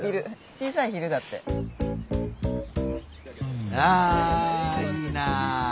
小さい昼だって。ああいいな！